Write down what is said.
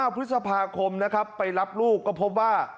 ๙พฤษภาคมไปรับลูกก็พบว่า